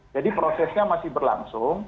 jadi prosesnya masih berlangsung